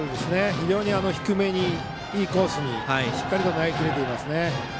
非常に低めに、いいコースにしっかり投げ切れていますね。